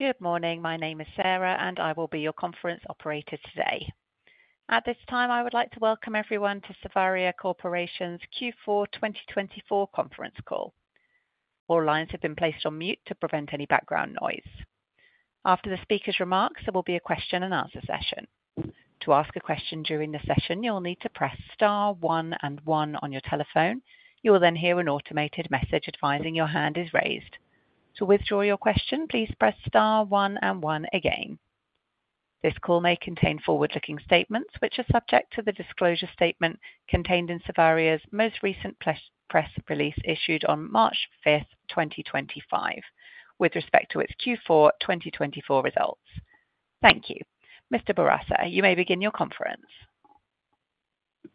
Good morning. My name is Sarah, and I will be your conference operator today. At this time, I would like to welcome everyone to Savaria Corporation's Q4 2024 Conference Call. All lines have been placed on mute to prevent any background noise. After the speaker's remarks, there will be a question-and-answer session. To ask a question during the session, you'll need to press star, one, and one on your telephone. You will then hear an automated message advising your hand is raised. To withdraw your question, please press star, one, and one again. This call may contain forward-looking statements, which are subject to the disclosure statement contained in Savaria's most recent press release issued on March 5th, 2025, with respect to its Q4 2024 results. Thank you. Mr. Bourassa, you may begin your conference.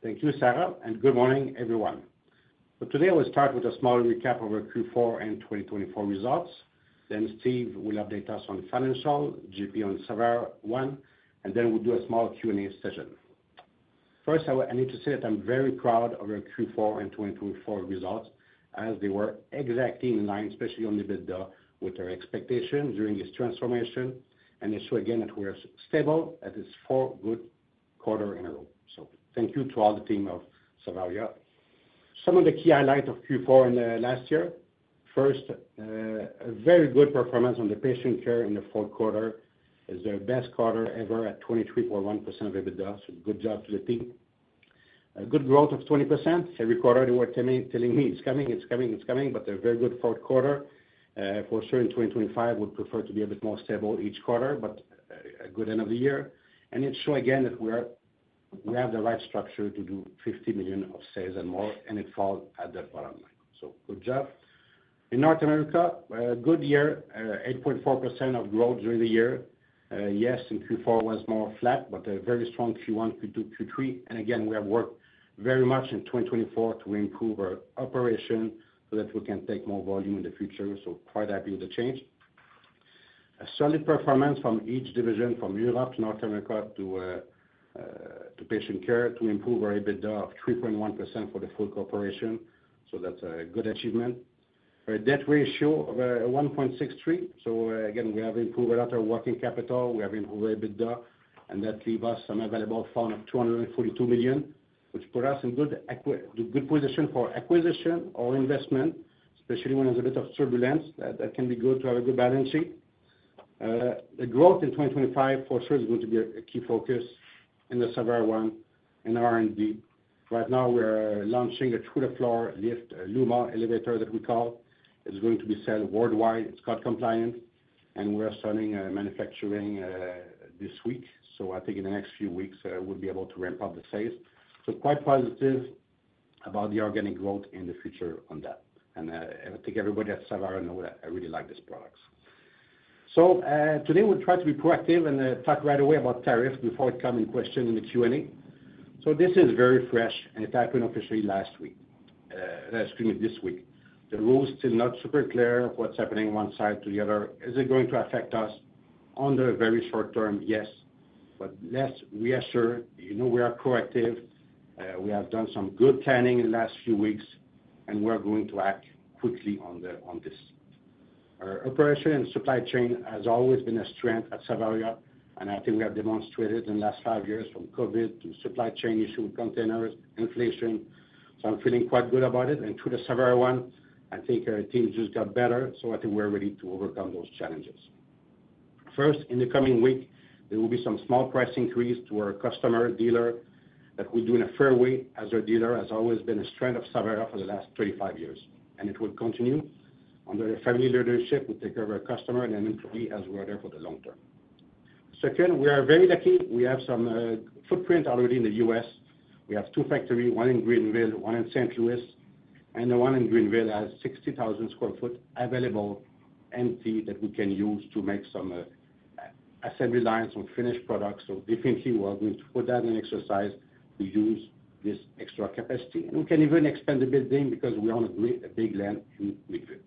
Thank you, Sarah, and good morning, everyone. Today, I will start with a small recap of our Q4 and 2024 results. Steve will update us on financial, JP on Savaria One, and then we'll do a small Q&A session. First, I need to say that I'm very proud of our Q4 and 2024 results, as they were exactly in line, especially on the bid with our expectations during this transformation, and they show again that we're stable at this four good quarter in a row. Thank you to all the team of Savaria. Some of the key highlights of Q4 and last year, first, a very good performance on the Patient Care in the fourth quarter. It's their best quarter ever at 23.1% of EBITDA, so good job to the team. A good growth of 20% every quarter. They were telling me, "It's coming, it's coming, it's coming," but a very good fourth quarter. For sure, in 2025, we'd prefer to be a bit more stable each quarter, but a good end of the year. It showed again that we have the right structure to do $50 million of sales and more, and it fell at the bottom line. Good job. In North America, a good year, 8.4% of growth during the year. Yes, in Q4, it was more flat, but a very strong Q1, Q2, Q3. We have worked very much in 2024 to improve our operation so that we can take more volume in the future. Quite happy with the change. A solid performance from each division, from Europe to North America to Patient Care to improve our EBITDA of 3.1% for the full corporation. That's a good achievement. Our debt ratio of 1.63. Again, we have improved a lot of our working capital. We have improved our EBITDA, and that leaves us some available fund of $242 million, which puts us in good position for acquisition or investment, especially when there's a bit of turbulence. That can be good to have a good balancing. The growth in 2025, for sure, is going to be a key focus in the Savaria One in R&D. Right now, we're launching a through-the-floor lift, Luma elevator that we call. It's going to be sold worldwide. It's called Compliant, and we're starting manufacturing this week. I think in the next few weeks, we'll be able to ramp up the sales. Quite positive about the organic growth in the future on that. I think everybody at Savaria knows that I really like these products. Today, we'll try to be proactive and talk right away about tariffs before it comes in question in the Q&A. This is very fresh, and it happened officially last week. Excuse me, this week. The rules are still not super clear of what's happening one side to the other. Is it going to affect us on the very short term? Yes. Let's reassure, we are proactive. We have done some good planning in the last few weeks, and we're going to act quickly on this. Our operation and supply chain has always been a strength at Savaria, and I think we have demonstrated in the last five years from COVID to supply chain issue with containers, inflation. I'm feeling quite good about it. Through the Savaria One, I think our team just got better, so I think we're ready to overcome those challenges. First, in the coming week, there will be some small price increase to our customer dealer that we do in a fair way as our dealer. It has always been a strength of Savaria for the last 35 years, and it will continue under the family leadership. We take care of our customer and employee as we are there for the long term. Second, we are very lucky. We have some footprint already in the U.S. We have two factories, one in Greenville, one in St. Louis, and the one in Greenville has 60,000 sq. ft. available empty that we can use to make some assembly lines or finished products. Definitely, we are going to put that in exercise to use this extra capacity. We can even expand the building because we own a big land in Greenville. Fourth,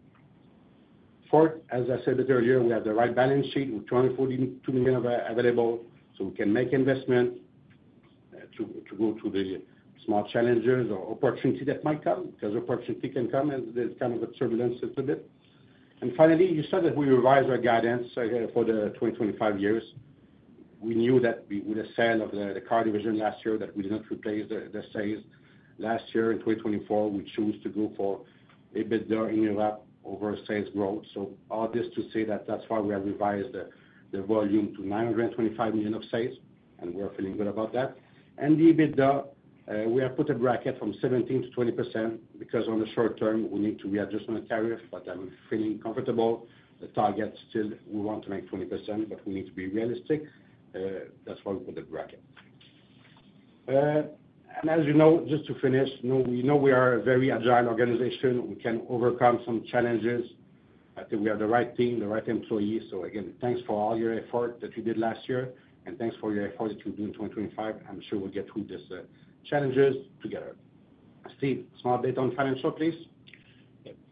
as I said earlier, we have the right balance sheet with $242 million available, so we can make investment to go to the small challenges or opportunity that might come because opportunity can come and there's kind of a turbulence a little bit. Finally, you said that we revise our guidance for the 2025 years. We knew that with the sale of the car division last year that we did not replace the sales. Last year, in 2024, we chose to go for EBITDA in Europe over sales growth. All this to say that that's why we have revised the volume to $925 million of sales, and we're feeling good about that. The EBITDA, we have put a bracket from 17%-20% because on the short term, we need to readjust on the tariff, but I'm feeling comfortable. The target still, we want to make 20%, but we need to be realistic. That is why we put the bracket. As you know, just to finish, we know we are a very agile organization. We can overcome some challenges. I think we have the right team, the right employees. Again, thanks for all your effort that you did last year, and thanks for your effort that you will do in 2025. I am sure we will get through these challenges together. Steve, small bit on financial, please.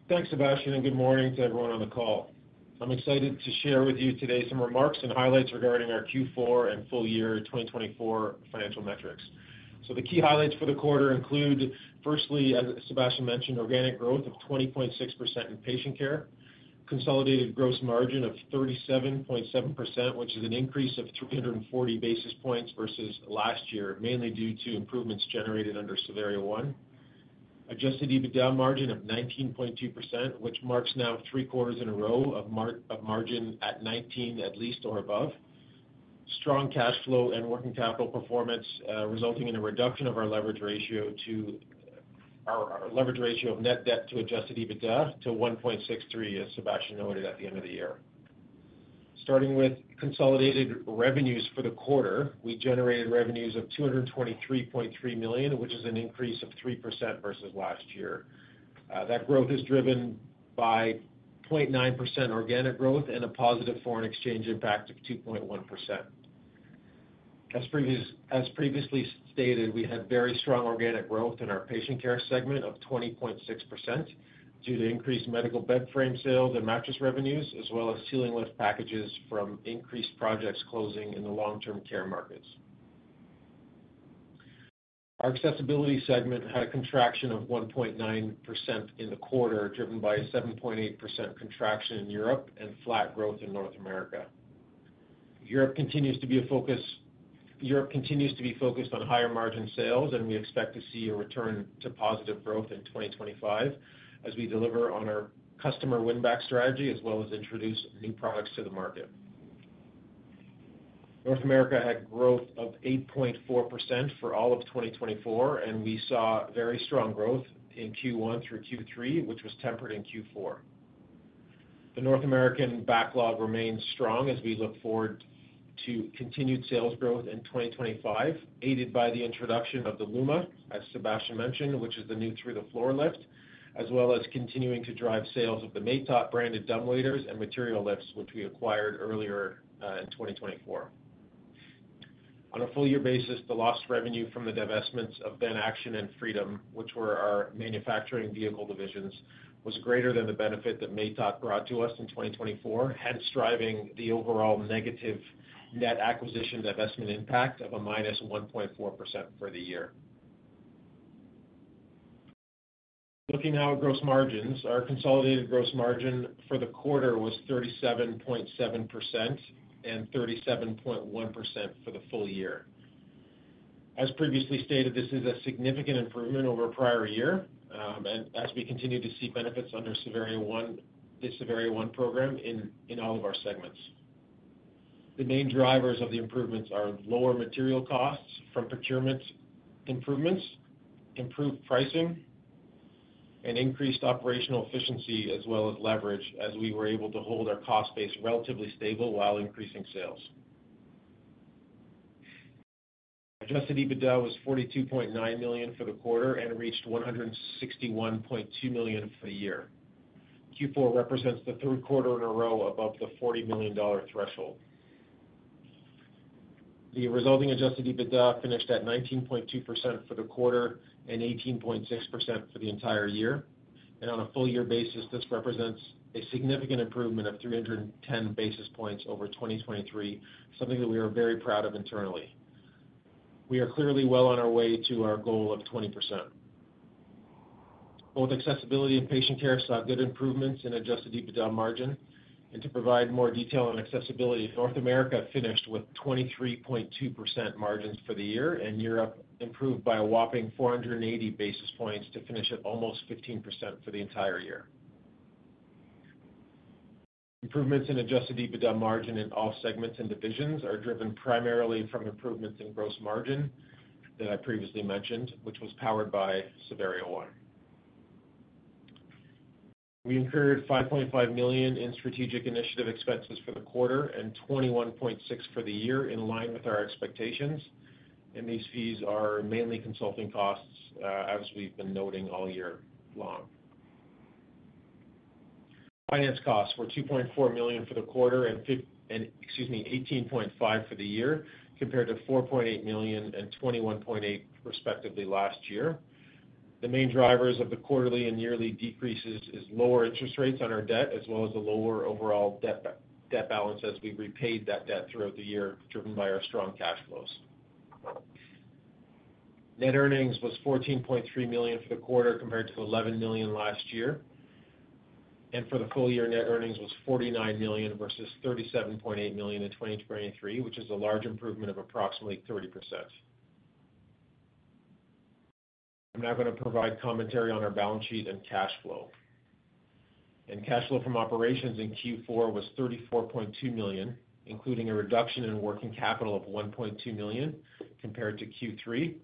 Thanks, Sébastien, and good morning to everyone on the call. I'm excited to share with you today some remarks and highlights regarding our Q4 and full year 2024 financial metrics. The key highlights for the quarter include, firstly, as Sébastien mentioned, organic growth of 20.6% in Patient Care, consolidated gross margin of 37.7%, which is an increase of 340 basis points versus last year, mainly due to improvements generated under Savaria One. Adjusted EBITDA margin of 19.2%, which marks now three quarters in a row of margin at 19 at least or above. Strong cash flow and working capital performance resulting in a reduction of our leverage ratio to our leverage ratio of net debt to adjusted EBITDA to 1.63, as Sébastien noted at the end of the year. Starting with consolidated revenues for the quarter, we generated revenues of $223.3 million, which is an increase of 3% versus last year. That growth is driven by 0.9% organic growth and a positive foreign exchange impact of 2.1%. As previously stated, we had very strong organic growth in our Patient Care segment of 20.6% due to increased medical bed frame sales and mattress revenues, as well as ceiling lift packages from increased projects closing in the long-term care markets. Our accessibility segment had a contraction of 1.9% in the quarter, driven by a 7.8% contraction in Europe and flat growth in North America. Europe continues to be a focus. Europe continues to be focused on higher margin sales, and we expect to see a return to positive growth in 2025 as we deliver on our customer win-back strategy, as well as introduce new products to the market. North America had growth of 8.4% for all of 2024, and we saw very strong growth in Q1 through Q3, which was tempered in Q4. The North American backlog remains strong as we look forward to continued sales growth in 2025, aided by the introduction of the Luma, as Sébastien mentioned, which is the new through-the-floor lift, as well as continuing to drive sales of the Maytot branded dumbwaiters and material lifts, which we acquired earlier in 2024. On a full year basis, the lost revenue from the divestments of Van Action and Freedom Motors, which were our manufacturing vehicle divisions, was greater than the benefit that Maytot brought to us in 2024, head-striving the overall negative net acquisition divestment impact of a -1.4% for the year. Looking at our gross margins, our consolidated gross margin for the quarter was 37.7% and 37.1% for the full year. As previously stated, this is a significant improvement over a prior year, and as we continue to see benefits under Savaria One, the Savaria One program in all of our segments. The main drivers of the improvements are lower material costs from procurement improvements, improved pricing, and increased operational efficiency, as well as leverage, as we were able to hold our cost base relatively stable while increasing sales. Adjusted EBITDA was $42.9 million for the quarter and reached $161.2 million for the year. Q4 represents the third quarter in a row above the $40 million threshold. The resulting adjusted EBITDA finished at 19.2% for the quarter and 18.6% for the entire year. On a full year basis, this represents a significant improvement of 310 basis points over 2023, something that we are very proud of internally. We are clearly well on our way to our goal of 20%. Both accessibility and Patient Care saw good improvements in adjusted EBITDA margin. To provide more detail on accessibility, North America finished with 23.2% margins for the year, and Europe improved by a whopping 480 basis points to finish at almost 15% for the entire year. Improvements in adjusted EBITDA margin in all segments and divisions are driven primarily from improvements in gross margin that I previously mentioned, which was powered by Savaria One. We incurred $5.5 million in strategic initiative expenses for the quarter and $21.6 million for the year, in line with our expectations. These fees are mainly consulting costs, as we've been noting all year long. Finance costs were $2.4 million for the quarter and, excuse me, $18.5 million for the year, compared to $4.8 million and $21.8 million, respectively, last year. The main drivers of the quarterly and yearly decreases are lower interest rates on our debt, as well as a lower overall debt balance as we repaid that debt throughout the year, driven by our strong cash flows. Net earnings was $14.3 million for the quarter, compared to $11 million last year. For the full year, net earnings was $49 million versus $37.8 million in 2023, which is a large improvement of approximately 30%. I am not going to provide commentary on our balance sheet and cash flow. Cash flow from operations in Q4 was $34.2 million, including a reduction in working capital of $1.2 million compared to Q3.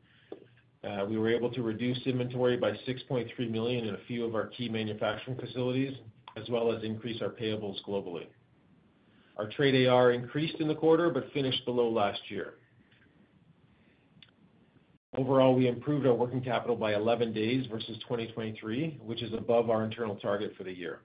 We were able to reduce inventory by $6.3 million in a few of our key manufacturing facilities, as well as increase our payables globally. Our trade AR increased in the quarter but finished below last year. Overall, we improved our working capital by 11 days versus 2023, which is above our internal target for the year.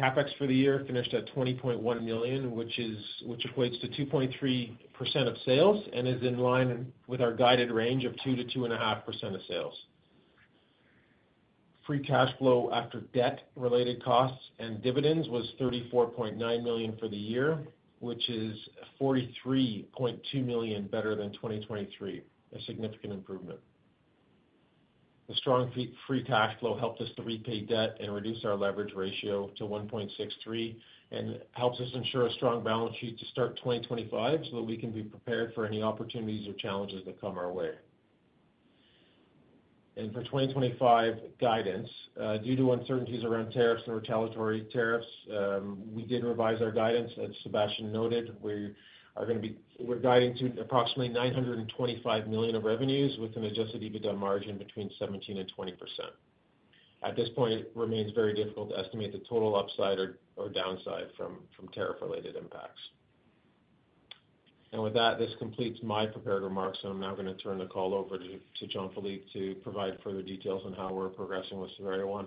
CapEx for the year finished at $20.1 million, which equates to 2.3% of sales and is in line with our guided range of 2%-2.5% of sales. Free cash flow after debt-related costs and dividends was $34.9 million for the year, which is $43.2 million better than 2023, a significant improvement. The strong free cash flow helped us to repay debt and reduce our leverage ratio to 1.63 and helps us ensure a strong balance sheet to start 2025 so that we can be prepared for any opportunities or challenges that come our way. For 2025 guidance, due to uncertainties around tariffs and retaliatory tariffs, we did revise our guidance. As Sébastien noted, we are going to be guiding to approximately $925 million of revenues with an adjusted EBITDA margin between 17%-20%. At this point, it remains very difficult to estimate the total upside or downside from tariff-related impacts. With that, this completes my prepared remarks, and I'm now going to turn the call over to Jean-Philippe to provide further details on how we're progressing with Savaria One.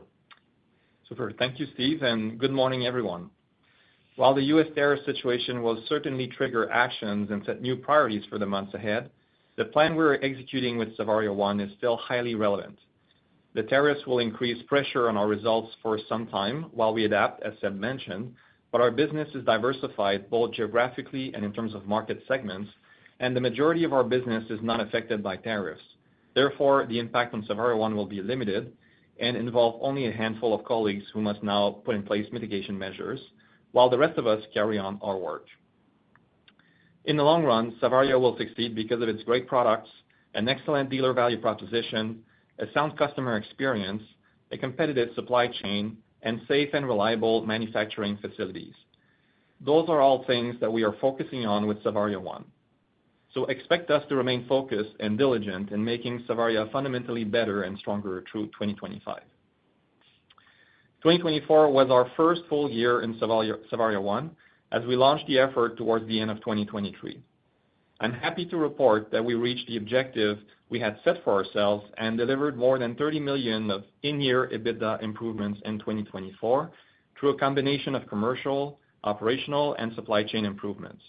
Super. Thank you, Steve, and good morning, everyone. While the U.S. tariff situation will certainly trigger actions and set new priorities for the months ahead, the plan we're executing with Savaria One is still highly relevant. The tariffs will increase pressure on our results for some time while we adapt, as Séb mentioned, but our business is diversified both geographically and in terms of market segments, and the majority of our business is not affected by tariffs. Therefore, the impact on Savaria One will be limited and involve only a handful of colleagues who must now put in place mitigation measures, while the rest of us carry on our work. In the long run, Savaria will succeed because of its great products, an excellent dealer value proposition, a sound customer experience, a competitive supply chain, and safe and reliable manufacturing facilities. Those are all things that we are focusing on with Savaria One. Expect us to remain focused and diligent in making Savaria fundamentally better and stronger through 2025. 2024 was our first full year in Savaria One as we launched the effort towards the end of 2023. I'm happy to report that we reached the objective we had set for ourselves and delivered more than $30 million of in-year EBITDA improvements in 2024 through a combination of commercial, operational, and supply chain improvements.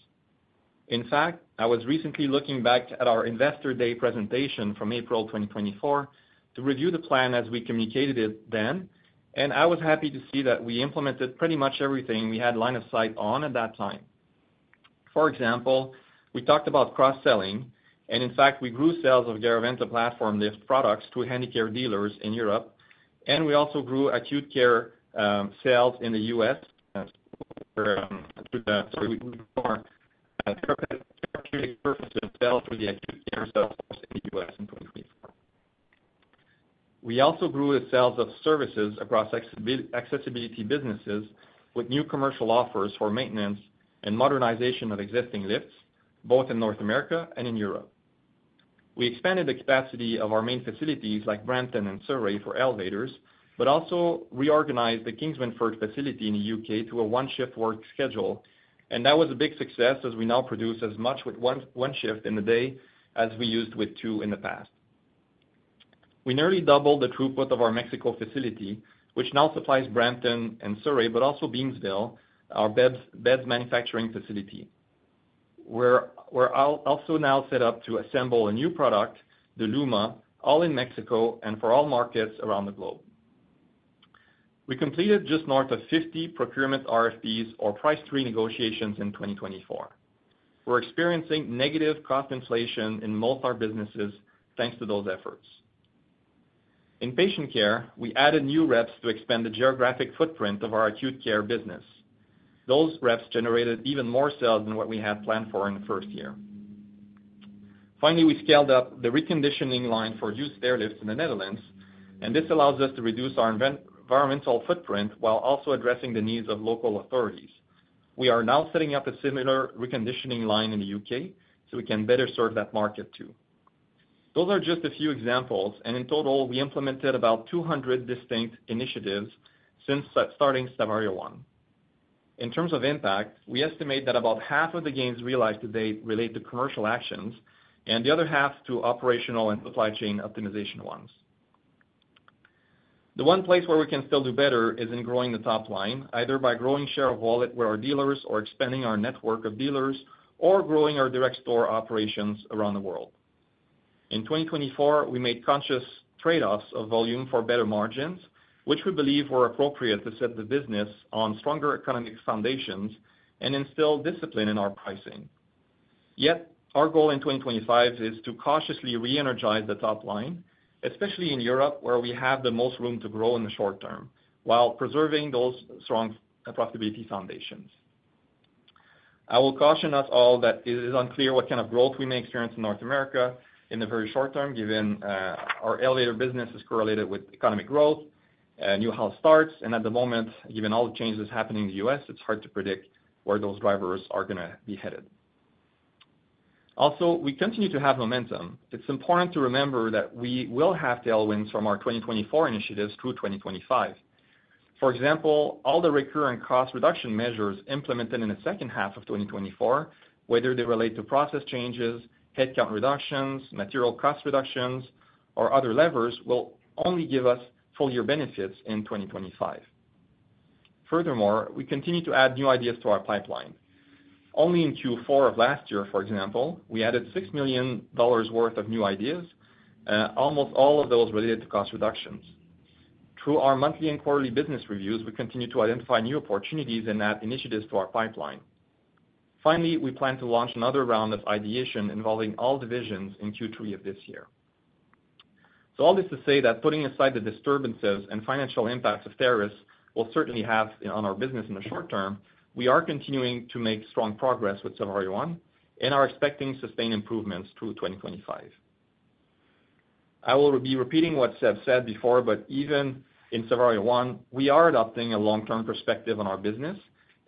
In fact, I was recently looking back at our Investor Day presentation from April 2024 to review the plan as we communicated it then, and I was happy to see that we implemented pretty much everything we had line of sight on at that time. For example, we talked about cross-selling, and in fact, we grew sales of Garaventa platform lift products to Handicare dealers in Europe, and we also grew acute care sales in the U.S. for the therapeutic purposes of sales for the acute care sales in the U.S. in 2024. We also grew the sales of services across accessibility businesses with new commercial offers for maintenance and modernization of existing lifts, both in North America and in Europe. We expanded the capacity of our main facilities like Brampton and Surrey for elevators, but also reorganized the Kings Langley facility in the U.K. to a one-shift work schedule, and that was a big success as we now produce as much with one shift in the day as we used with two in the past. We nearly doubled the throughput of our Mexico facility, which now supplies Brampton and Surrey, but also Beamsville, our beds manufacturing facility. We're also now set up to assemble a new product, the Luma, all in Mexico and for all markets around the globe. We completed just north of 50 procurement RFPs or price renegotiations in 2024. We're experiencing negative cost inflation in most of our businesses thanks to those efforts. In Patient Care, we added new reps to expand the geographic footprint of our acute care business. Those reps generated even more sales than what we had planned for in the first year. Finally, we scaled up the reconditioning line for used stairlifts in the Netherlands, and this allows us to reduce our environmental footprint while also addressing the needs of local authorities. We are now setting up a similar reconditioning line in the U.K. so we can better serve that market too. Those are just a few examples, and in total, we implemented about 200 distinct initiatives since starting Savaria One. In terms of impact, we estimate that about half of the gains realized to date relate to commercial actions and the other half to operational and supply chain optimization ones. The one place where we can still do better is in growing the top line, either by growing share of wallet with our dealers or expanding our network of dealers or growing our direct store operations around the world. In 2024, we made conscious trade-offs of volume for better margins, which we believe were appropriate to set the business on stronger economic foundations and instill discipline in our pricing. Yet, our goal in 2025 is to cautiously re-energize the top line, especially in Europe where we have the most room to grow in the short term while preserving those strong profitability foundations. I will caution us all that it is unclear what kind of growth we may experience in North America in the very short term given our elevator business is correlated with economic growth, new house starts, and at the moment, given all the changes happening in the U.S., it's hard to predict where those drivers are going to be headed. Also, we continue to have momentum. It's important to remember that we will have tailwinds from our 2024 initiatives through 2025. For example, all the recurrent cost reduction measures implemented in the second half of 2024, whether they relate to process changes, headcount reductions, material cost reductions, or other levers, will only give us full year benefits in 2025. Furthermore, we continue to add new ideas to our pipeline. Only in Q4 of last year, for example, we added $6 million worth of new ideas, almost all of those related to cost reductions. Through our monthly and quarterly business reviews, we continue to identify new opportunities and add initiatives to our pipeline. Finally, we plan to launch another round of ideation involving all divisions in Q3 of this year. All this to say that putting aside the disturbances and financial impacts tariffs will certainly have on our business in the short term, we are continuing to make strong progress with Savaria One and are expecting sustained improvements through 2025. I will be repeating what Séb said before, but even in Savaria One, we are adopting a long-term perspective on our business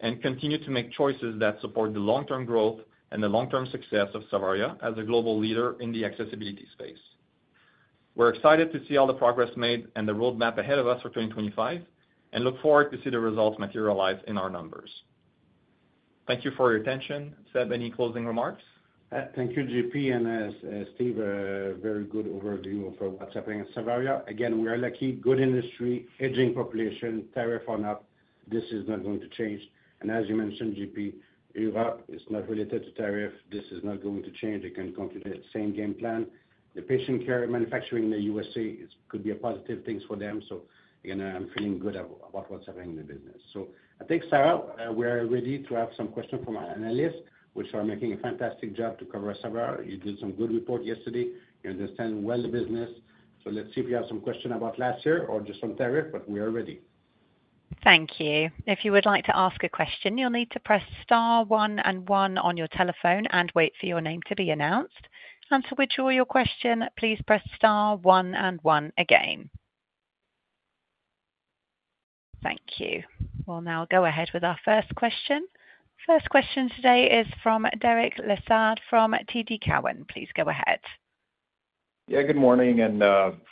and continue to make choices that support the long-term growth and the long-term success of Savaria as a global leader in the accessibility space. We're excited to see all the progress made and the roadmap ahead of us for 2025 and look forward to see the results materialize in our numbers. Thank you for your attention. Séb, any closing remarks? Thank you, JP, and Steve, a very good overview of what's happening at Savaria. Again, we are lucky, good industry, aging population, tariff on up. This is not going to change. As you mentioned, JP, Europe is not related to tariff. This is not going to change. It can continue the same game plan. The Patient Care manufacturing in the U.S.A. could be a positive thing for them. Again, I'm feeling good about what's happening in the business. I think, Sarah, we are ready to have some questions from our analysts, which are making a fantastic job to cover Savaria. You did some good report yesterday. You understand well the business. Let's see if you have some questions about last year or just on tariff, but we are ready. Thank you. If you would like to ask a question, you'll need to press star one and one on your telephone and wait for your name to be announced. To withdraw your question, please press star one and one again. Thank you. We'll now go ahead with our first question. First question today is from Derek Lessard from TD Cowen. Please go ahead. Yeah, good morning.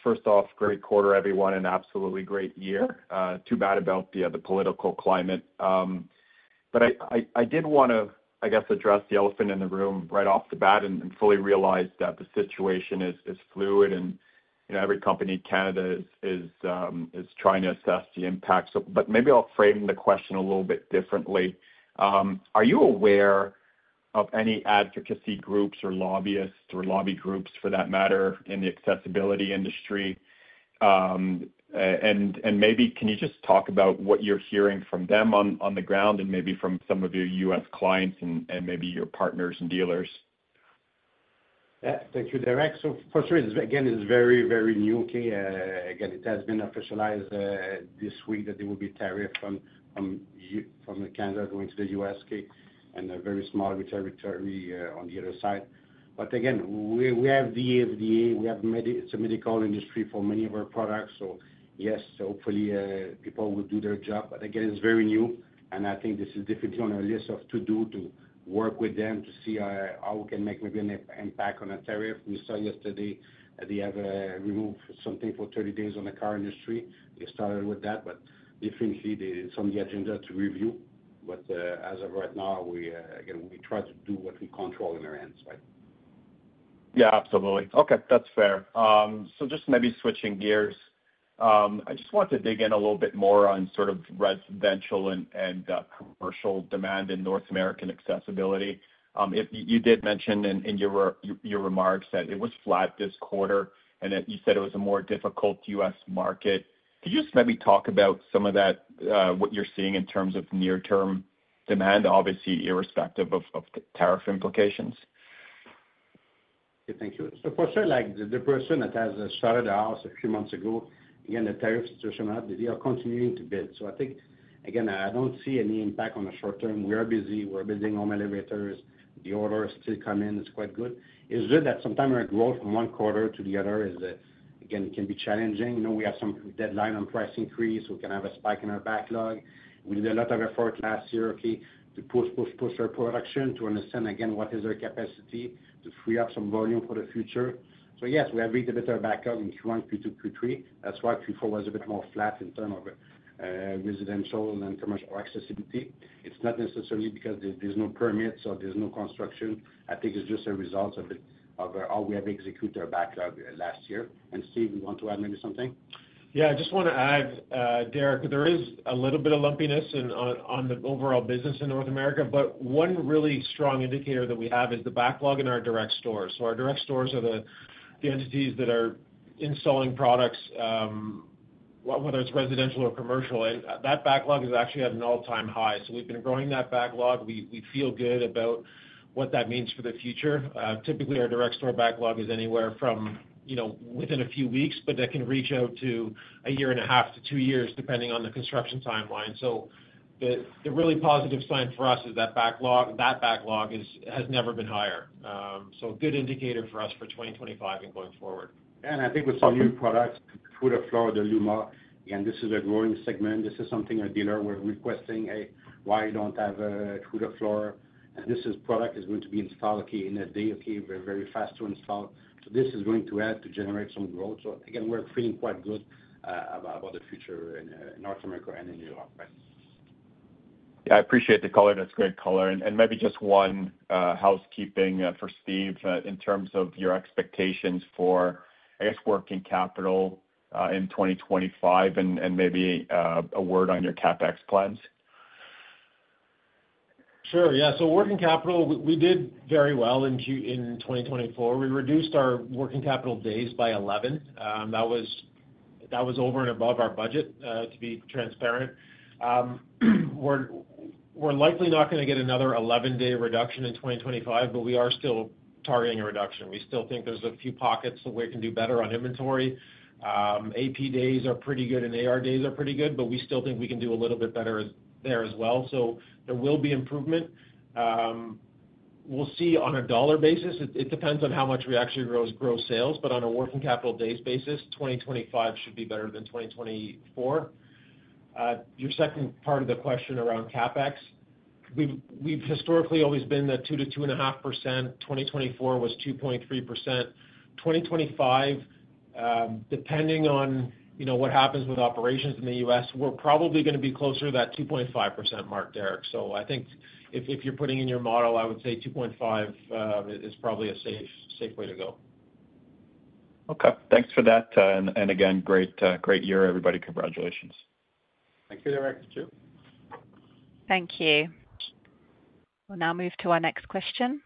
First off, great quarter, everyone, and absolutely great year. Too bad about the political climate. I did want to, I guess, address the elephant in the room right off the bat and fully realize that the situation is fluid and every company in Canada is trying to assess the impact. Maybe I'll frame the question a little bit differently. Are you aware of any advocacy groups or lobbyists or lobby groups, for that matter, in the accessibility industry? Can you just talk about what you're hearing from them on the ground and maybe from some of your U.S. clients and maybe your partners and dealers? Thank you, Derek. For sure, again, it's very, very new. It has been officialized this week that there will be tariff from Canada going to the U.S. and a very small territory on the other side. We have the FDA. It's a medical industry for many of our products. Yes, hopefully people will do their job. It's very new. I think this is definitely on our list of to-do to work with them to see how we can make maybe an impact on a tariff. We saw yesterday that they have removed something for 30 days on the car industry. They started with that. It's on the agenda to review. As of right now, we try to do what we control in our hands, right? Yeah, absolutely. Okay, that's fair. Just maybe switching gears, I just want to dig in a little bit more on sort of residential and commercial demand in North American accessibility. You did mention in your remarks that it was flat this quarter and that you said it was a more difficult U.S. market. Could you just maybe talk about some of that, what you're seeing in terms of near-term demand, obviously irrespective of tariff implications? Thank you. For sure, the person that has started the house a few months ago, again, the tariff situation now, they are continuing to build. I think, again, I do not see any impact on the short term. We are busy. We are building home elevators. The orders still come in. It is quite good. It is good that sometimes our growth from one quarter to the other is, again, it can be challenging. We have some deadline on price increase. We can have a spike in our backlog. We did a lot of effort last year to push, push, push our production to understand, again, what is our capacity to free up some volume for the future. Yes, we have a bit of a backlog in Q1, Q2, Q3. That is why Q4 was a bit more flat in terms of residential and commercial accessibility. It's not necessarily because there's no permits or there's no construction. I think it's just a result of how we have executed our backlog last year. Steve, you want to add maybe something? Yeah, I just want to add, Derek, there is a little bit of lumpiness on the overall business in North America, but one really strong indicator that we have is the backlog in our direct stores. Our direct stores are the entities that are installing products, whether it's residential or commercial. That backlog has actually hit an all-time high. We have been growing that backlog. We feel good about what that means for the future. Typically, our direct store backlog is anywhere from within a few weeks, but that can reach out to a year and a half to two years, depending on the construction timeline. The really positive sign for us is that backlog has never been higher. A good indicator for us for 2025 and going forward. I think with some new products, through-the-floor, the Luma, again, this is a growing segment. This is something our dealers were requesting. Why don't we have a through-the-floor? This product is going to be installed in a day, very fast to install. This is going to help to generate some growth. Again, we're feeling quite good about the future in North America and in Europe. Yeah, I appreciate the color. That's a great color. Maybe just one housekeeping for Steve in terms of your expectations for, I guess, working capital in 2025 and maybe a word on your CapEx plans? Sure. Yeah. So working capital, we did very well in 2024. We reduced our working capital days by 11. That was over and above our budget, to be transparent. We're likely not going to get another 11-day reduction in 2025, but we are still targeting a reduction. We still think there's a few pockets that we can do better on inventory. AP days are pretty good and AR days are pretty good, but we still think we can do a little bit better there as well. There will be improvement. We'll see on a dollar basis. It depends on how much we actually grow sales, but on a working capital days basis, 2025 should be better than 2024. Your second part of the question around CapEx, we've historically always been the 2%-2.5%. 2024 was 2.3%. 2025, depending on what happens with operations in the U.S., we're probably going to be closer to that 2.5% mark, Derek. I think if you're putting in your model, I would say 2.5% is probably a safe way to go. Okay. Thanks for that. Again, great year, everybody. Congratulations. Thank you, Derek. You too. Thank you. We'll now move to our next question.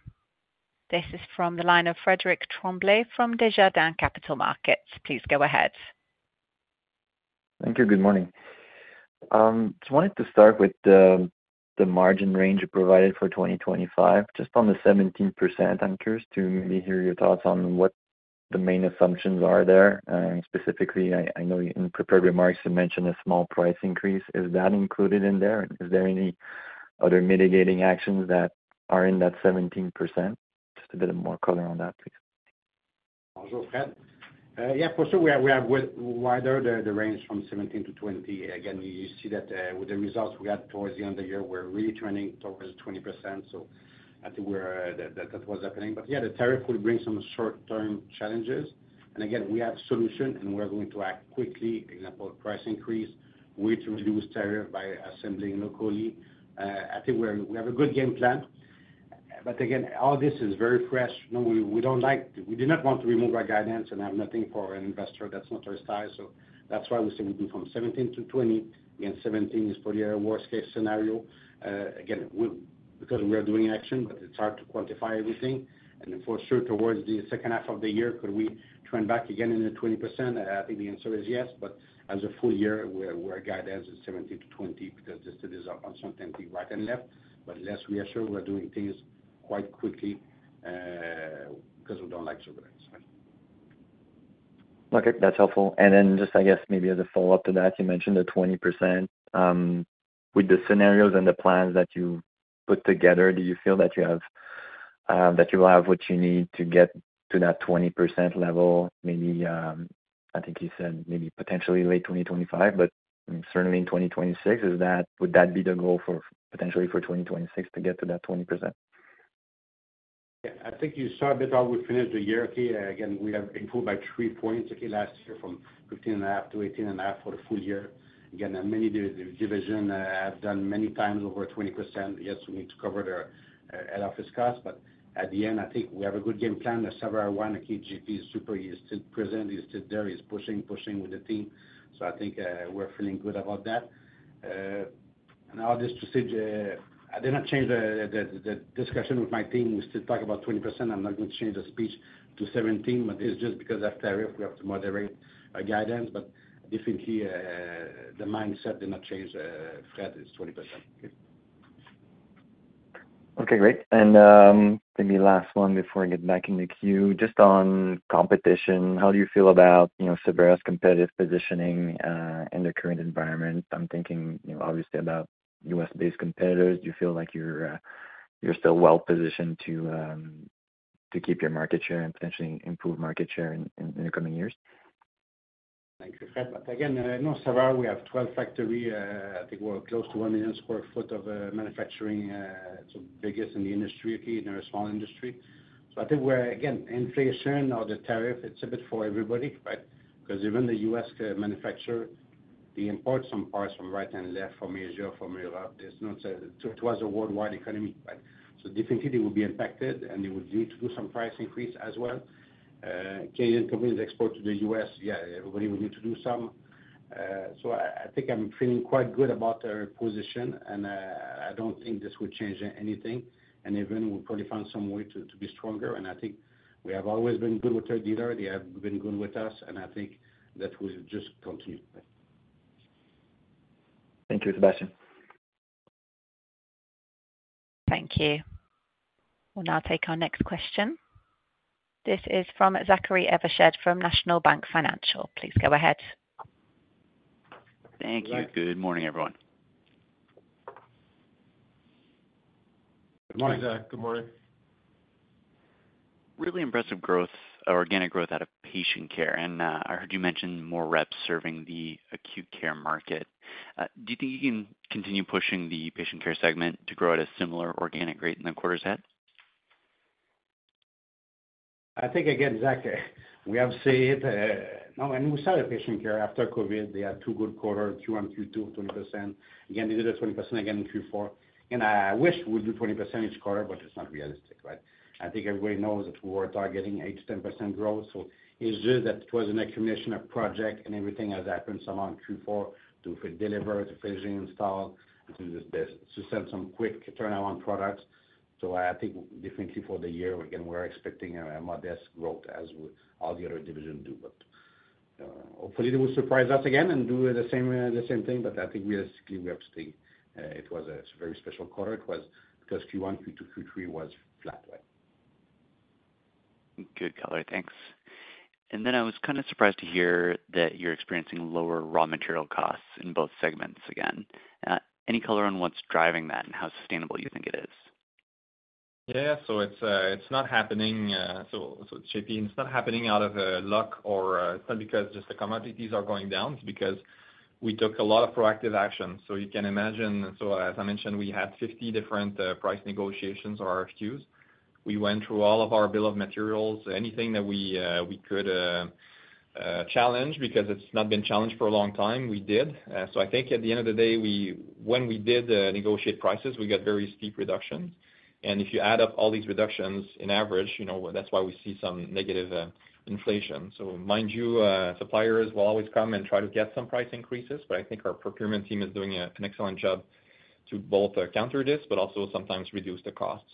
This is from the line of Frederick Tremblay from Desjardins Capital Markets. Please go ahead. Thank you. Good morning. I wanted to start with the margin range you provided for 2025, just on the 17%. I'm curious to maybe hear your thoughts on what the main assumptions are there. Specifically, I know in prepared remarks, you mentioned a small price increase. Is that included in there? Is there any other mitigating actions that are in that 17%? Just a bit more color on that, please. Yeah, for sure, we have widened the range from 17%-20%. Again, you see that with the results we had towards the end of the year, we're really turning towards 20%. I think that was happening. The tariff will bring some short-term challenges. Again, we have a solution and we're going to act quickly. For example, price increase, we need to reduce tariff by assembling locally. I think we have a good game plan. All this is very fresh. We do not want to remove our guidance and have nothing for an investor, that's not our style. That's why we say we do from 17%-20%. Again, 17% is probably our worst-case scenario because we are doing action, but it's hard to quantify everything. For sure, towards the second half of the year, could we turn back again in the 20%? I think the answer is yes, but as a full year, we're guided to 17%-20% because this is on something right and left. Let's reassure we're doing things quite quickly because we don't like to do that. Okay. That's helpful. Just, I guess, maybe as a follow-up to that, you mentioned the 20%. With the scenarios and the plans that you put together, do you feel that you will have what you need to get to that 20% level? Maybe, I think you said maybe potentially late 2025, but certainly in 2026. Would that be the goal for potentially for 2026 to get to that 20%? Yeah. I think you saw a bit how we finished the year. Again, we have improved by 3 points last year from 15.5% to 18.5% for the full year. Again, many divisions have done many times over 20%. Yes, we need to cover their head office costs. At the end, I think we have a good game plan. The Savaria One, JP is still present. He's still there. He's pushing, pushing with the team. I think we're feeling good about that. All this to say, I did not change the discussion with my team. We still talk about 20%. I'm not going to change the speech to 17%, but it's just because of tariff. We have to moderate our guidance. Definitely, the mindset did not change. Fred is 20%. Okay. Great. Maybe last one before I get back in the queue. Just on competition, how do you feel about Savaria's competitive positioning in the current environment? I'm thinking obviously about U.S.-based competitors. Do you feel like you're still well positioned to keep your market share and potentially improve market share in the coming years? Thank you, Fred. Again, Savaria, we have 12 factories. I think we're close to 1 million sq. ft. of manufacturing. It's the biggest in the industry, in our small industry. I think, again, inflation or the tariff, it's a bit for everybody, right? Because even the U.S. manufacturer, they import some parts from right and left from Asia, from Europe. It was a worldwide economy, right? Definitely they will be impacted and they will need to do some price increase as well. Canadian companies export to the U.S. Yeah, everybody will need to do some. I think I'm feeling quite good about our position and I don't think this would change anything. Even we'll probably find some way to be stronger. I think we have always been good with our dealer. They have been good with us. I think that will just continue. Thank you, Sébastien. Thank you. We'll now take our next question. This is from Zachary Evershed from National Bank Financial. Please go ahead. Thank you. Good morning, everyone. Good morning. Good morning. Really impressive growth, organic growth out of Patient Care. I heard you mention more reps serving the acute care market. Do you think you can continue pushing the Patient Care segment to grow at a similar organic rate than the quarter's head? I think, again, Zach, we have seen it. We saw the Patient Care after COVID. They had two good quarters, Q1, Q2, 20%. Again, they did 20% again in Q4. I wish we would do 20% each quarter, but it's not realistic, right? I think everybody knows that we were targeting 8%-10% growth. It's just that it was an accumulation of projects and everything has happened somehow in Q4 to deliver, to finish the install, to send some quick turnaround products. I think definitely for the year, again, we're expecting a modest growth as all the other divisions do. Hopefully they will surprise us again and do the same thing. I think basically we have to think it was a very special quarter. It was because Q1, Q2, Q3 was flat, right? Good color. Thanks. I was kind of surprised to hear that you're experiencing lower raw material costs in both segments again. Any color on what's driving that and how sustainable you think it is? Yeah. So it's not happening. It's JP. It's not happening out of luck or it's not because just the commodities are going down. It's because we took a lot of proactive action. You can imagine, as I mentioned, we had 50 different price negotiations or RFQs. We went through all of our bill of materials, anything that we could challenge because it's not been challenged for a long time, we did. I think at the end of the day, when we did negotiate prices, we got very steep reductions. If you add up all these reductions in average, that's why we see some negative inflation. Mind you, suppliers will always come and try to get some price increases, but I think our procurement team is doing an excellent job to both counter this, but also sometimes reduce the costs.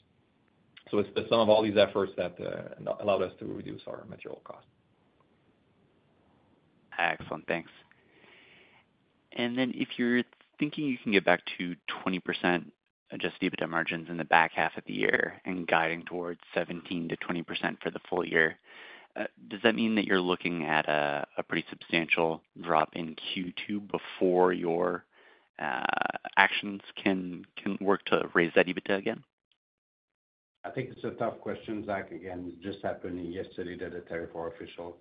It is the sum of all these efforts that allowed us to reduce our material costs. Excellent. Thanks. If you're thinking you can get back to 20% adjusted EBITDA margins in the back half of the year and guiding towards 17%-20% for the full year, does that mean that you're looking at a pretty substantial drop in Q2 before your actions can work to raise that EBITDA again? I think it's a tough question, Zach. Again, it just happened yesterday that the tariff were official.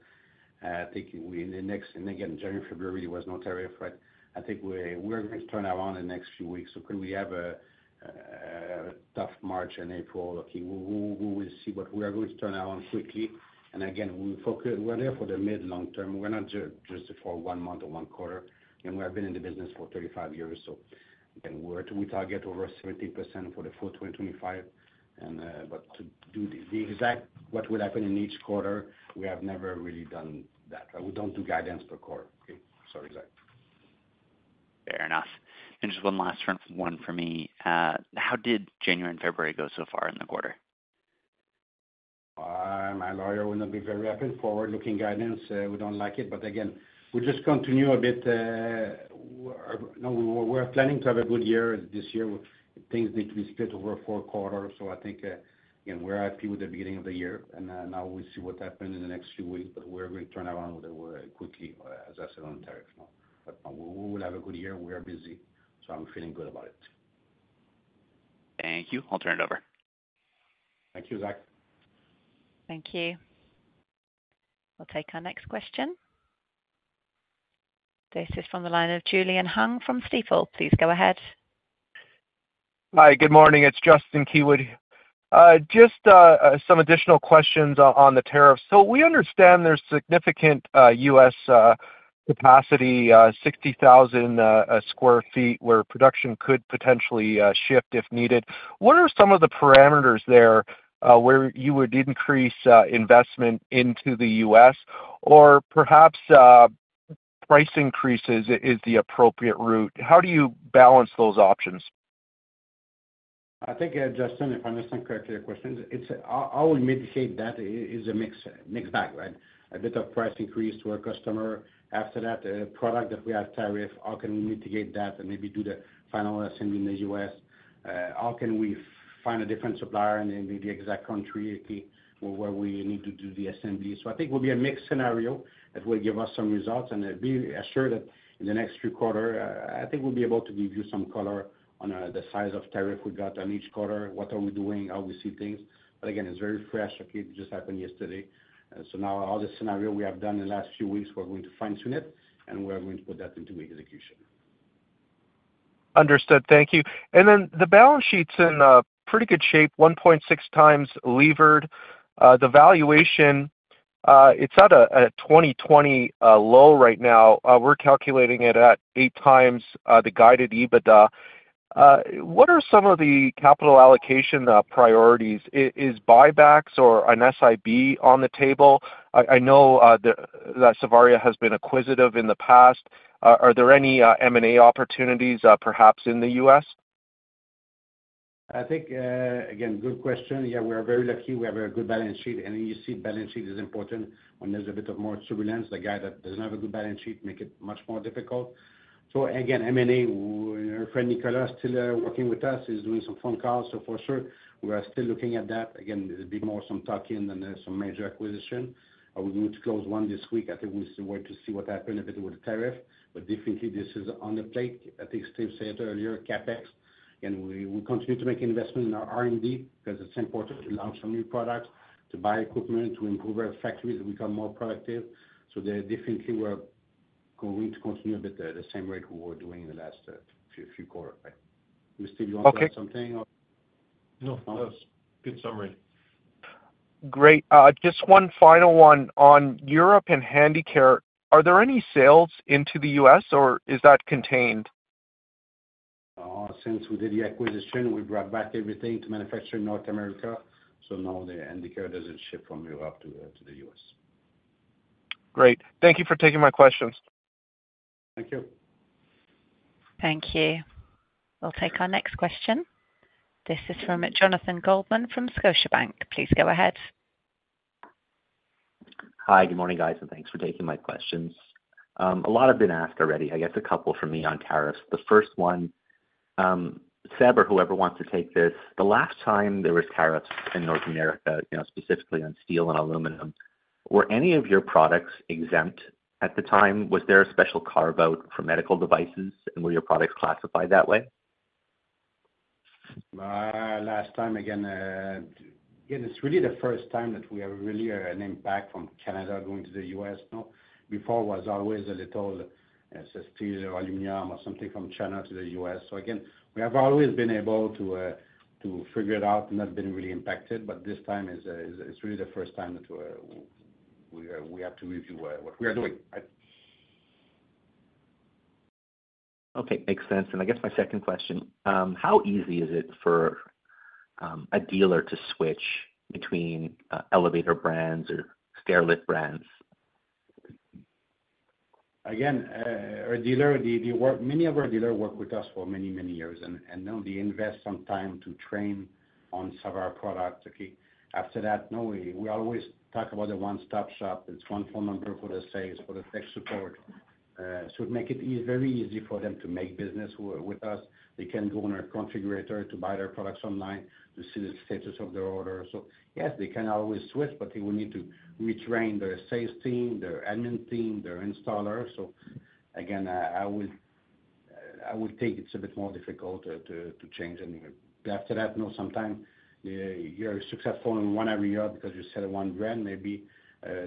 I think in the next, and again, January, February, there was no tariff, right? I think we're going to turn around in the next few weeks. Could we have a tough March and April? Okay, we will see, but we are going to turn around quickly. Again, we're there for the mid-long term. We're not just for one month or one quarter. We have been in the business for 35 years. Again, we target over 17% for the full 2025. To do the exact what will happen in each quarter, we have never really done that. We don't do guidance per quarter. Okay. Sorry, Zach. Fair enough. Just one last one for me. How did January and February go so far in the quarter? My lawyer will not be very happy forward-looking guidance. We do not like it. Again, we just continue a bit. We are planning to have a good year this year. Things need to be split over four quarters. I think, again, we are happy with the beginning of the year. Now we see what happens in the next few weeks, but we are going to turn around quickly, as I said, on tariff. We will have a good year. We are busy. I am feeling good about it. Thank you. I'll turn it over. Thank you, Zach. Thank you. We'll take our next question. This is from the line of Julian Hung from Stifel. Please go ahead. Hi, good morning. It's Justin Keywood. Just some additional questions on the tariffs. We understand there's significant U.S. capacity, 60,000 sq. ft., where production could potentially shift if needed. What are some of the parameters there where you would increase investment into the U.S.? Or perhaps price increases is the appropriate route. How do you balance those options? I think, Justin, if I am just not correct in your question, I would mitigate that. It is a mixed bag, right? A bit of price increase to our customer after that product that we have tariff. How can we mitigate that and maybe do the final assembly in the U.S.? How can we find a different supplier in the exact country where we need to do the assembly? I think it will be a mixed scenario that will give us some results. Be assured that in the next few quarters, I think we will be able to give you some color on the size of tariff we got on each quarter, what we are doing, how we see things. It is very fresh. It just happened yesterday. All the scenario we have done in the last few weeks, we're going to fine-tune it, and we're going to put that into execution. Understood. Thank you. The balance sheet's in pretty good shape, 1.6 times levered. The valuation, it's at a 2020 low right now. We're calculating it at 8 times the guided EBITDA. What are some of the capital allocation priorities? Is buybacks or an SIB on the table? I know that Savaria has been acquisitive in the past. Are there any M&A opportunities perhaps in the U.S.? I think, again, good question. Yeah, we are very lucky. We have a good balance sheet. You see balance sheet is important when there's a bit of more turbulence. The guy that doesn't have a good balance sheet makes it much more difficult. Again, M&A, our friend Nicolas is still working with us. He's doing some phone calls. For sure, we are still looking at that. Again, it'll be more some talking than some major acquisition. We're going to close one this week. I think we'll see where to see what happens with the tariff. Definitely, this is on the plate. I think Steve said earlier, CapEx. Again, we continue to make investment in our R&D because it's important to launch some new products, to buy equipment, to improve our factories so we become more productive. We're going to continue a bit at the same rate we were doing in the last few quarters. Right? Steve, you want to add something? No. That was a good summary. Great. Just one final one on Europe and Handicare. Are there any sales into the U.S., or is that contained? Since we did the acquisition, we brought back everything to manufacture in North America. Now the Handicare doesn't ship from Europe to the U.S. Great. Thank you for taking my questions. Thank you. Thank you. We'll take our next question. This is from Jonathan Goldman from Scotiabank. Please go ahead. Hi, good morning, guys. Thanks for taking my questions. A lot have been asked already. I guess a couple from me on tariffs. The first one, Savaria, whoever wants to take this. The last time there was tariffs in North America, specifically on steel and aluminum, were any of your products exempt at the time? Was there a special carve-out for medical devices, and were your products classified that way? Last time, again, it's really the first time that we have really an impact from Canada going to the U.S. Before, it was always a little steel or aluminum or something from China to the U.S. We have always been able to figure it out and not been really impacted. This time, it's really the first time that we have to review what we are doing. Okay. Makes sense. I guess my second question, how easy is it for a dealer to switch between elevator brands or stairlift brands? Again, our dealer, many of our dealers work with us for many, many years. Now they invest some time to train on some of our products. After that, we always talk about the one-stop shop. It's one phone number for the sales, for the tech support. It makes it very easy for them to make business with us. They can go on our configurator to buy their products online to see the status of their orders. Yes, they can always switch, but they will need to retrain their sales team, their admin team, their installer. Again, I would think it's a bit more difficult to change. After that, sometimes you're successful in one area because you sell one brand. Maybe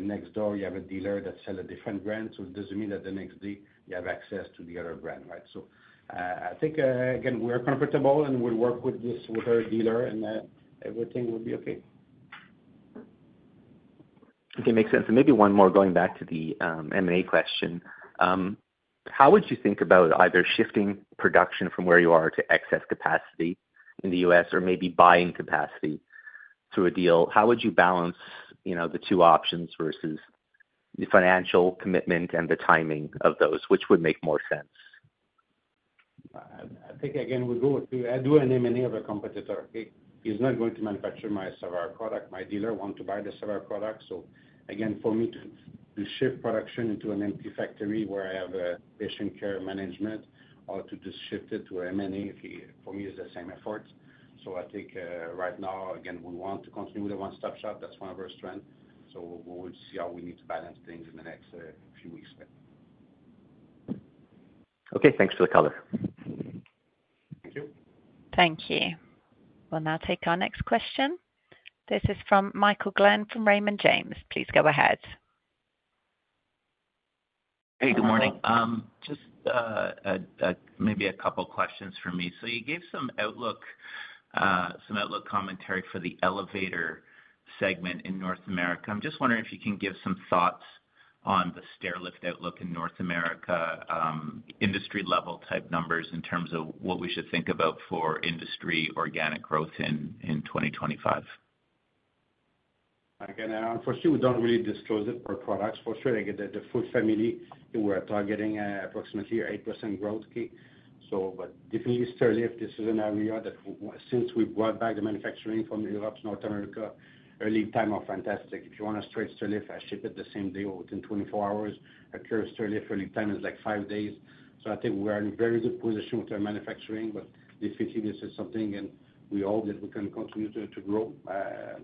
next door you have a dealer that sells a different brand. It does not mean that the next day you have access to the other brand, right? I think, again, we are comfortable and we will work with our dealer and everything will be okay. Okay. Makes sense. Maybe one more going back to the M&A question. How would you think about either shifting production from where you are to excess capacity in the U.S. or maybe buying capacity through a deal? How would you balance the two options versus the financial commitment and the timing of those? Which would make more sense? I think, again, we go through I do an M&A of a competitor. He's not going to manufacture my Savaria product. My dealer wants to buy the Savaria product. Again, for me to shift production into an empty factory where I have Patient Care management or to just shift it to an M&A, for me, it's the same effort. I think right now, again, we want to continue with a one-stop shop. That's one of our strengths. We'll see how we need to balance things in the next few weeks. Okay. Thanks for the color. Thank you. Thank you. We'll now take our next question. This is from Michael Glen from Raymond James. Please go ahead. Hey, good morning. Just maybe a couple of questions for me. You gave some outlook commentary for the elevator segment in North America. I'm just wondering if you can give some thoughts on the stairlift outlook in North America, industry-level type numbers in terms of what we should think about for industry organic growth in 2025. Again, unfortunately, we do not really disclose it for products. For sure, again, the food family, we are targeting approximately 8% growth. Definitely, stairlift, this is an area that since we brought back the manufacturing from Europe, North America, lead times are fantastic. If you want a straight stairlift, I ship it the same day or within 24 hours. A curved stairlift lead time is like five days. I think we are in a very good position with our manufacturing. Definitely, this is something, and we hope that we can continue to grow.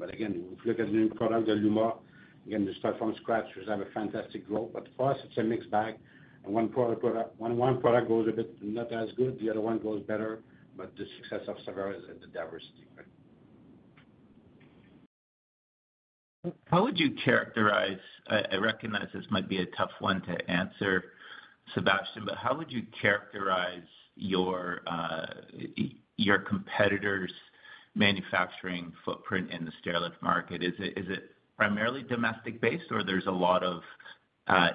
Again, if you look at the new product, the Luma, you start from scratch, which has fantastic growth. For us, it is a mixed bag. One product goes a bit not as good, the other one goes better. The success of Savaria is the diversity. How would you characterize? I recognize this might be a tough one to answer, Sébastien, but how would you characterize your competitor's manufacturing footprint in the stairlift market? Is it primarily domestic-based, or there's a lot of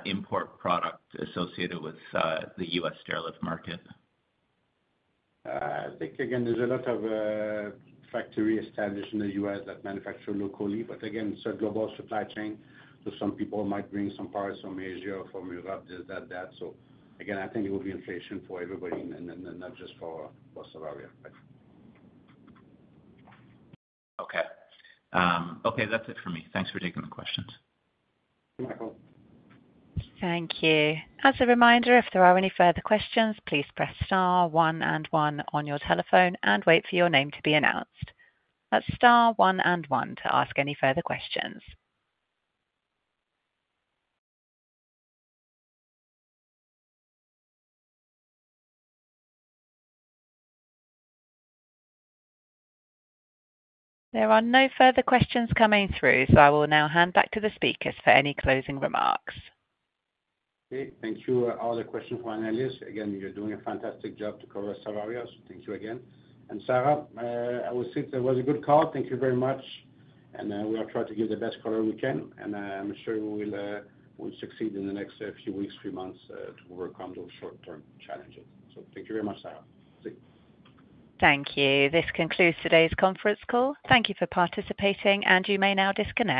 import product associated with the U.S. stairlift market? I think, again, there are a lot of factories established in the U.S. that manufacture locally. Again, it is a global supply chain. Some people might bring some parts from Asia, from Europe, this, that, that. I think it will be inflation for everybody and not just for Savaria. Okay. Okay. That's it for me. Thanks for taking the questions. Thank you. Thank you. As a reminder, if there are any further questions, please press star one and one on your telephone and wait for your name to be announced. That's star one and one to ask any further questions. There are no further questions coming through, so I will now hand back to the speakers for any closing remarks. Okay. Thank you. All the questions were analyzed. Again, you're doing a fantastic job to cover Savaria. Thank you again. Sarah, I will say it was a good call. Thank you very much. We'll try to give the best color we can. I'm sure we'll succeed in the next few weeks, three months to overcome those short-term challenges. Thank you very much, Sarah. See you. Thank you. This concludes today's conference call. Thank you for participating, and you may now disconnect.